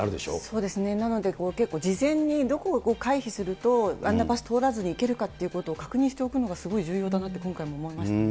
そうですね、なので、結構事前にどこを回避すると、アンダーパス通らずに行けるかということを確認しておくのがすごい重要だなと、今回も思いましたね。